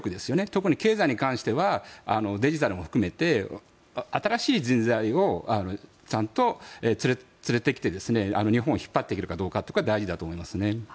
特に経済に関してはデジタルも含めて新しい人材をちゃんと連れてきて日本を引っ張っていけるかっていうところが大事だと思いますね。